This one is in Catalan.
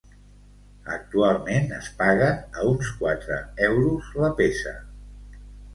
Actualment es paguen a uns quatre euros la peça.